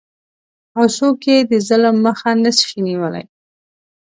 او څوک یې د ظلم مخه نشي نیولی؟